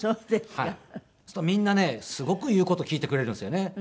みんなねすごく言う事聞いてくれるんですよね。